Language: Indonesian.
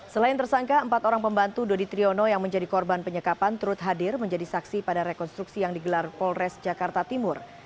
selain tersangka empat orang pembantu dodi triyono yang menjadi korban penyekapan turut hadir menjadi saksi pada rekonstruksi yang digelar polres jakarta timur